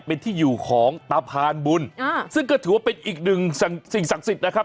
เป็นที่อยู่ของตาพานบุญซึ่งก็ถือว่าเป็นอีกหนึ่งสิ่งศักดิ์สิทธิ์นะครับ